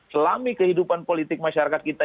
selami kehidupan politik masyarakat kita